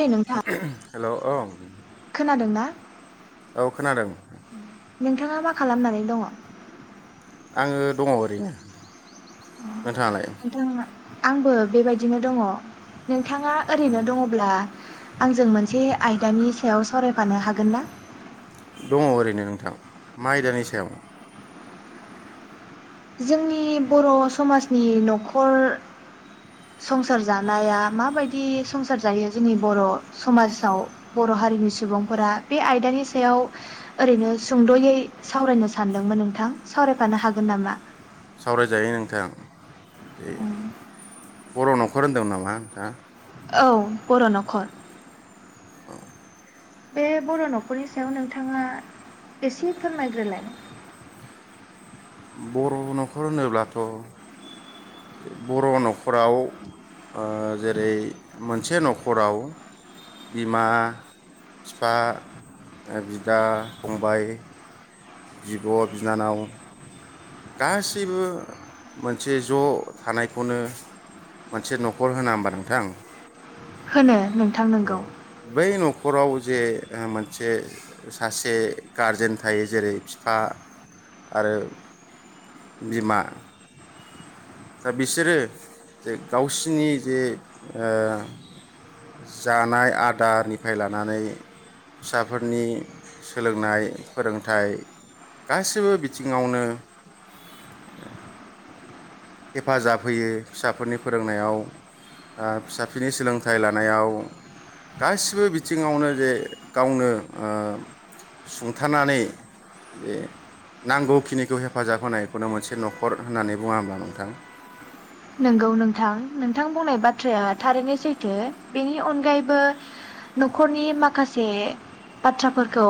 ओइ नोंथां हेल' औ खोनादों ना औ खोनादों [unintelligible] नोंथाङा मा खालामनानै दङ आङो दङ ओरैनो नोंथां नोंथाङा आंबो बेबायदिनो दङ नों नोंथाङा ओरैनो दङब्ला आंजों मोनसे आयदानि सायाव सावरायफानो हागोन ना दङ ओरैनो नोंथां मा आयदानि सायाव जोंनि बर' समाजनि न'खर संसार जानाया माबायदि संसार जायो जोंनि बर' समाजाव बर' हारिनि सुबुंफोरा बे आयदानि सायाव ओरैनो सुंद'यै सावरायनो सानदोंमोन नोंथां सावरायफानो हागोन नामा सावरायजायो नोंथां दे बर' न'खर होनदोंमोन नामा नोंथाङा औ बर' न'खर अ बे बर' न'खरनि सायाव नोंथाङा एसे फोरमायग्रोलाय बर' न'खर होनोब्लाथ' बर' न'खराव ओ जेरै मोनसे न'खराव बिमा फिफा बिदा फंबाय बिब' बिनानाव गासैबो मोनसे ज' थानायखौनो मोनसे न'खर होना होमबा नोंथां होनो नोंथां औ नोंगौ बै न'खराव जे मोनसे सासे गारजेन थायो जेरै बिफा आरो बिमा दा बिसोरो जे गावसिनि जे ओ जानाय आदारनिफ्राय लानानै फिसाफोरनि सोलोंनाय फोरोंथाइ गासिबो बिथिङावनो हेफाजाब होयो फिसाफोरनि फोरोंनायाव ओ फिसाफोरनि सोलोंथाइ लानायाव गासिबो बिथिङावनो जे गावनो ओ सुंथानानै जे नांगौखिनिखौ हेफाजाब होनायखौनो मोनसे न'खर होननानै बुङा होमब्ला नों नोंथां नंगौ नोंथां नोंथां बुंनाय बाथ्राया थारैनो सैथो बेनि अनगायैबो न'खरनि माखासे बाथ्राफोरखौ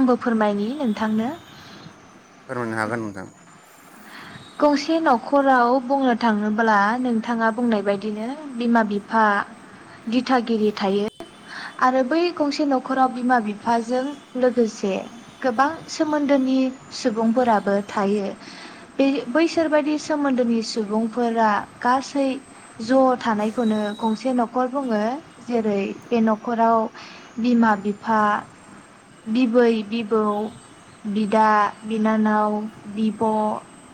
आंबो फोरमायनि नोंथांनो फोरमायनो हागोन नोंथां गंसे न'खराव बुंनो थाङोब्ला नोंथाङा बुंनाय बायदिनो बिमा बिफा दिथागिरि थायो आरो बै गंसे न'खराव बिमा बिफाजों लोगोसे गोबां सोमोन्दोनि सुबुंफोराबो थायो बे बैसोरबायदि सोमोन्दोनि सुबुंफोरा गासै ज' थानायखौनो गंसे न'खर बुङो जेरै बे न' न'खराव बिमा बिफा बिबै बिबौ बिदा बिनानाव बिब'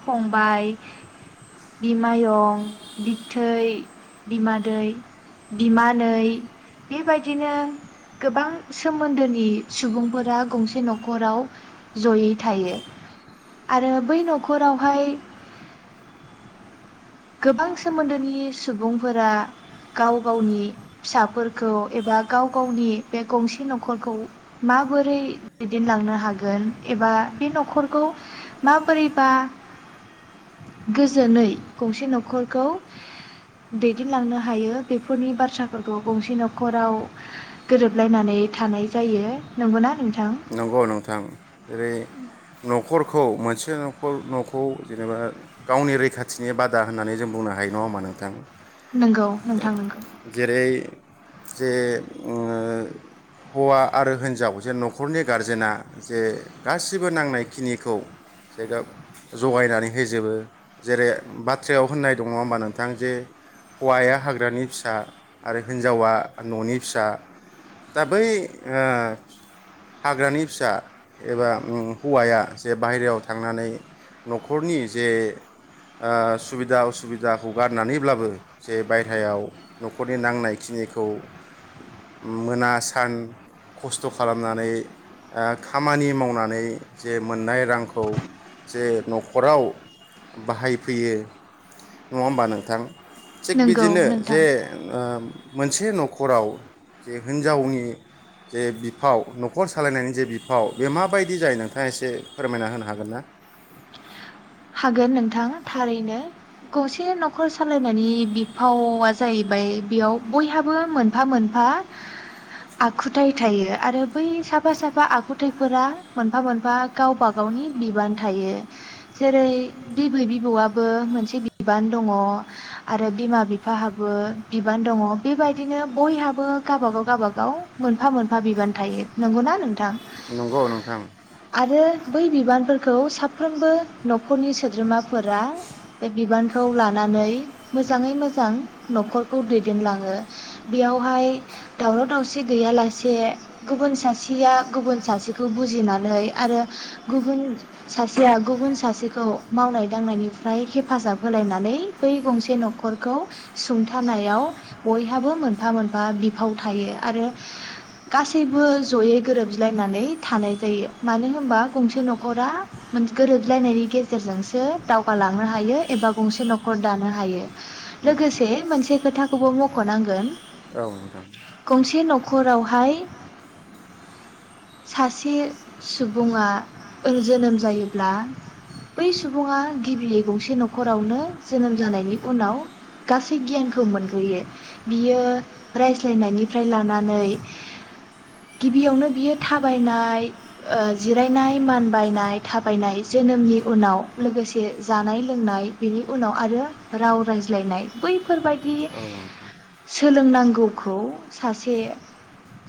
फंबाय बिमायं बिबथै बिमादै बिमानै बेबायदि बिदिनो गोबां सोमोन्दोनि सुबुंफोरा गंसे न'खराव जयै थायो आरो बै न'खरावहाय गोबां सोमोन्दोनि सुबुंफोरा गाव गावनि फिसाफोरखौ एबा गाव गावनि बे गंसे न'खरखौ माबोरै दैदेनलांनो हागोन एबा बे न'खरखौ माबोरैबा गोजोनै गंसे न'खरखौ दैदेनलांनो हायो बेफोरनि बाथ्राफोरखौ गंसे न'खराव गोरोबलायनानै थानाय जायो। नंगौना नोंथां? नंगौ नोंथां जेरै न'खर खौ मोनसे न'खर न'खौ जेनेबा गावनि रैखाथिनि बादा होननानै जों बुंनो हायो नङा होनबा नोंथां? नंगौ नोंथां नंगौ जेरै जे ओ हौवा आरो हिनजाव जेन नख खरनि गारजेना जे गासिबो नांनाय खिनिखौ जेग जगायनानै होजोबो जेरै बाथ्रायाव होननाय दङ होनबा नोंथां जे हौवाया हाग्रानि फिसा आरो हिनजावा न'नि फिसा दा बै हाग्रानि फिसा एबा हौवाया जे बाहेरायाव थांनानै न'खरनि जे ओ सुबिदा असुबिदाखौ गारनानैब्लाबो जे बायह्रायाव न'खरनि नांनायखिनिखौ मोना सान खस्थ' खालामनानै ओ खामानि मावनानै जे मोननाय रांखौ जे नखराव बाहायफैयो नङा होमबा नोंथां थिग नंगौ बिदिनो जे नोंथां ओ मोनसे नखराव जे हिनजावनि जे बिफाव न'खर सालायनायनि जे बिफाव बे माबायदि जायो नोंथाङा एसे फोरमायना होनो हागोन ना? हागोन नोंथां थारैनो गसे न'खर सालायनायनि बिफावा जाहैबाय बेयाव बयहाबो मोनफा मोनफा आखुथाय थायो आरो बै साफा साफा आखुथायफोरा मोनफा मोनफा गावबा गावनि बिबान थायो। जेरै बिबै बिबौआबो मोनसे बिबान दङ आरो बिमा बिफाहाबो बिबान दङ बेबायदिनो बयहाबो गावाबागाव गावाबागाव मोनफा मोनफा बिबान थायो। नंगौना नोंथां? नंगौ नोंथां। आरो बै बिबानफोरखौ साफ्रोमबो नखरनि सोद्रोमाफोरा बे बिबानखौ लानानै मोजाङै मोजां न'खरखौ दैदेनलाङो बेयावहाय दावराव दावसि गैयालासे गुबुन सासेया गुबुन सासेखौ बुजिनानै आरो गुबुन सासेया गुबुन सासेखौ मावनाय दांनायनिफ्राय हेफाजाब होलायनानै बै गंसे नखरखौ सुंथानायाव बयहाबो मोनफा मोनफा बिफाव थायो आरो गासैबो जयै गोरोब्लायनानै थानाय जायो मानो होनबा गंसे नखरा गोरोब ज्लायनायनि गेजेरजोंसो दावगालांनो हायो एबा गंसे नखर दानो हायो लोगोसे मोनसे खोथाखौबो मख'नांगोन औ नोंथां गंसे न'खरावहाय सासे सुबुङा जोनोम जायोब्ला बै सुबुङा गिबियै गंसे नखरावनो जोनोम जानायनि उनाव गासै गियानखौ मोनग्रोयो बियो रायज्लायनायनिफ्राय लानानै गिबियावनो बियो थाबायनाय ओ जिरायनाय मानबायनाय थाबायनाय जोनोमनि उनाव लोगोसे जानाय लोंनाय बेनि उनाव आरो राव रायज्लायनाय बैफोरबायदि औ नोंथां। सोलों नांगौखौ सासे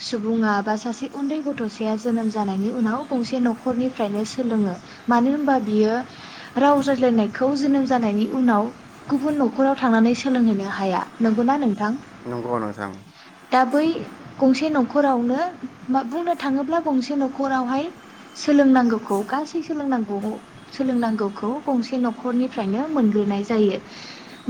सुबुङा बा सासे उन्दै गथ'साया जोनोम जानायनि उनाव गंसे न'खरनिफ्रायनो सोलोङो। मानो होनबा बियो राव रायज्लायनायखौ जोनोम जानायनि उनाव गुबुन नखराव थांनानै सोलोंहैनो हाया। नंगौना नोंथां? औ नोंथां। दा बै गंसे नखरावनो बुंनो थाङोब्ला गंसे नखरावहाय सोलोंनांगौखौ गासै सोलोंनांगौ सोलोंनांगौखौ गंसे न'खरनिफ्रायनो मोनग्रोनाय जायो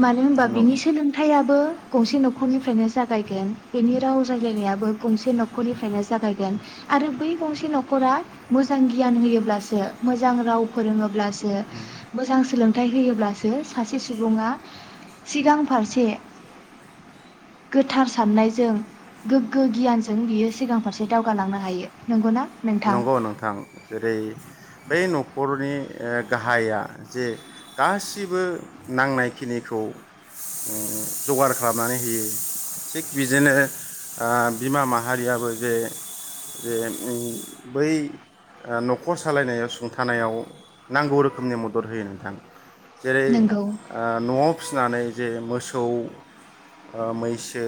मानो होनबा बिनि सोलोंथायाबो गंसे न'खरनिफ्रायनो जागायगोन बिनि राव रायलायनायाबो गंसे न'खरनिफ्रायनो जागायगोन आरो बै गंसे न'खरा मोजां गियान होयोब्लासो मोजां राव फोरोङोब्लासो मोजां सोलोंथाइ होयोब्लासो सासे सुबुङा सिगां फारसे गोथार साननायजों गोग्गो गियानजों बियो सिगां फारसे दावगालांनो हायो। नंगौना? नोंथां नंगौ नोंथां जेरै बै न'खरनि ओ गाहाया जे गासिबो नांनायखिनिखौ जगार खालामनानै होयो थिग बिदिनो ओ बिमा माहारियाबो जे जे बै न'खर सालायनायाव सुंथानायाव नांगौ रोखोमनि मदद होयो नोंथां। जेरै नंगौ ओ न'आव फिसिनानै जे मोसौ, ओ मैसो,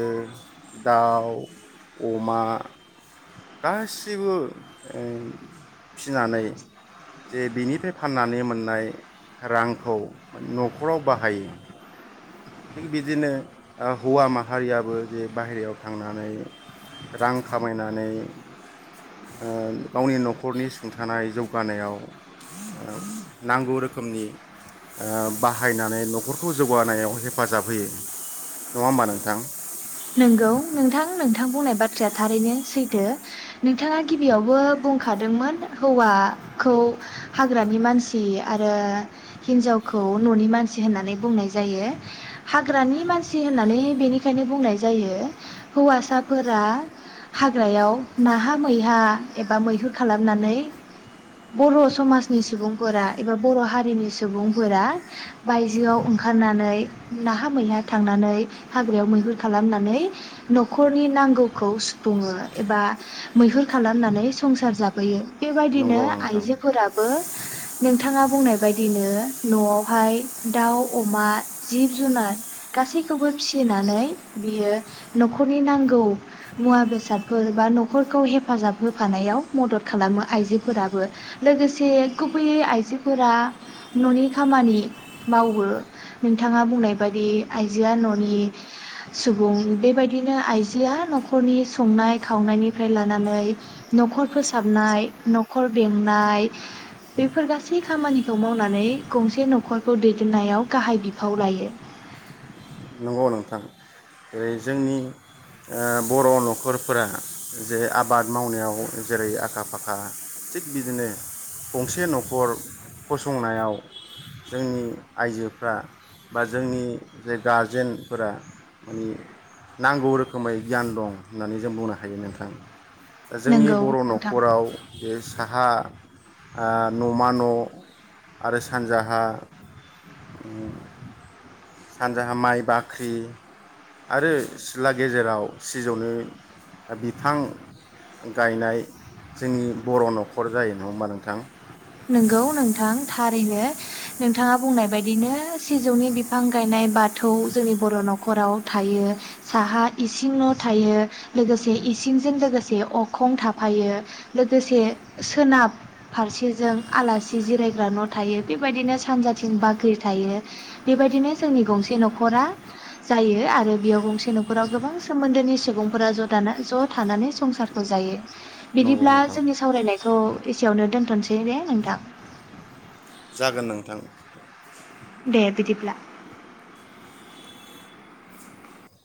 दाउ, अमा गासैबो फिनानै जे बिनिफ्राय फाननानै मोननाय रांखौ न'खराव बाहायो। थिग बिदिनो हौवा माहारियाबो जे बाहेरायाव थांनानै रां खामायनानै गावनि ओ न'खरनि सुंथानाय जौगानायाव नांगौ रोखोमनि ओ बाहायनानै न'खरखौ जौगानायाव हेब हेफाजाब होयो नङा होमबा नोंथां नंगौ नोंथां नोंथां बुंनाय बाथ्राया थारैनो सैथो नोंथाङा गिबियावबो बुंखादोंमोन हौवाखौ हाग्रानि मानसि आरो हिन्जावखौ न'नि मानसि होननानै बुंनाय जायो हाग्रानि मानसि होननानै बेनिखायनो बुंनाय जायो। जायो हौवासाफोरा हाग्रायाव नाहा मैहा एबा मैहुर खालामनानै बर' समाजनि सुबुंफोरा एबा बर' हारिनि सुबुंफोरा बायजोआव ओंखारनानै नाहा मैहा थांनानै हाग्रायाव मैहुर खालामनानै न'खरनि नांगौखौ सुफुङो एबा मैहुर खालामनानै संसार जाफैयो बेबायदिनो नंगौ नोंथां आइजोफोराबो नोंथाङा बुंनाय बायदिनो न'आवहाय दाउ अमा जिब जुनार गासैखौबो फिसिनानै बियो न'खरनि नांगौ मुवा बेसादफोर बा न'खरखौ हेफाजाब होफानायाव मदद खालामो आइजोफोराबो लोगोसे गुबैयै आइजोफोरा न'नि खामानि मावो नोंथाङा बुंनाय बायदि आइजोआ न'नि सुबुं बेबायदिनो आइजोआ न'खरनि संनाय खावनायनिफ्राय लानानै न'खर फोसाबनाय न'खर बेंनाय बेफोर गासै खामानिखौ मावनानै गंसे न'खरखौ दैदेननायाव गाहाय बिफाव लायो। बै जोंनि ओ बर' नखरफोरा जे आबाद मावनायाव जेरै आखा फाखा थिग बिदिनो गंसे नखर फसंनायाव जोंनि आइजोफ्रा बा जोंनि जे गारजेनफोरा माने नांगौ रोखोमै गियान दं। होननानै जों बुंनो हायो नोंथां। जोंनि नंगौ बर' नोंथां न'खराव बे साहा आ न'मा न' आरो सानजाहा उम सानजाहा माइ बाख्रि आरो सिथ्ला गेजेराव सिजौनि बिफां गायनाय जोंनि बर' न'खर जायो नङा होमबा नोंथां? नोंगौ नोंथां थारैनो नोंथाङा बुंनाय बायदिनो सिजौनि बिफां गायनाय बाथौ जोंनि बर' न'खराव थायो साहा इसिं न' थायो लोगोसे इसिंजों लोगोसे अखं थाफायो लोगोसे सोनाब फारसे जों आलासि जिरायग्रा न' थायो बेबायदिनो सानजाथिं बाख्रि थायो बेबायदिनो जोंनि गंसे न'खरा जायो आरो बेयाव गंसे न'खराव गोबां सोमोनदोनि सुबुंफोरा ज' दा थानानै संसारखौ जायो नंगौ बिदिब्ला नोंथां जोंनि सावरायनायखौ एसेयावनो दोनथ'सै दे दे नोंथां। जागोन नोंथां। दे बिदिब्ला।